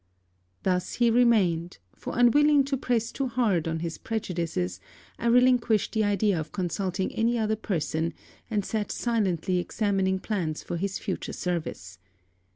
Thus he remained; for unwilling to press too hard on his prejudices, I relinquished the idea of consulting any other person, and sat silently examining plans for his future service.